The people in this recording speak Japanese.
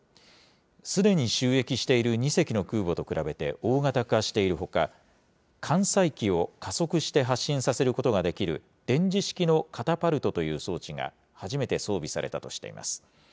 すでに就役している２隻の空母と比べて、大型化しているほか、艦載機を加速して発進させることができる、電磁式のカタパルトという装置が初めて装備されたとしています。